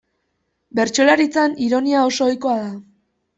Bertsolaritzan ironia oso ohikoa da.